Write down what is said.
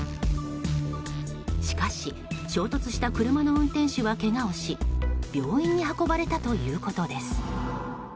しかし衝突した車の運転手はけがをし病院に運ばれたということです。